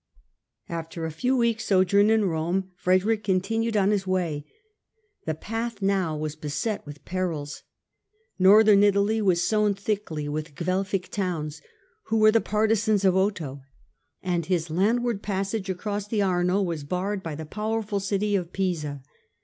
After a few weeks' sojourn in Rome, Frederick con tinued on his way. The path now was beset with perils. Northern Italy was sown thickly with Guelfic towns, who were the partisans of Otho, and his landward passage across the Arno was barred by the powerful city of Pisa.